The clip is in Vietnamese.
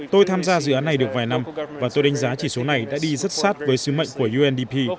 tôi tham gia dự án này được vài năm và tôi đánh giá chỉ số này đã đi rất sát với sứ mệnh của undp